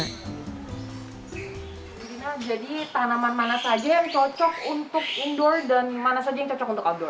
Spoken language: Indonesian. budina jadi tanaman mana saja yang cocok untuk indoor dan mana saja yang cocok untuk abdul